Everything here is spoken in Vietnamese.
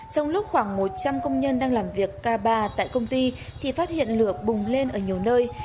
trong lúc khoảng một trăm linh công nhân đang làm việc k ba tại công ty thì phát hiện lửa bùng lên ở nhiều nơi